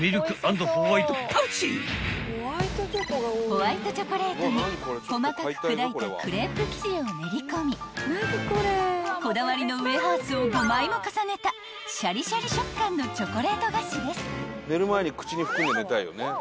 ［ホワイトチョコレートに細かく砕いたクレープ生地を練り込みこだわりのウエハースを５枚も重ねたシャリシャリ食感のチョコレート菓子です］